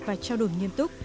và trao đổi nghiêm túc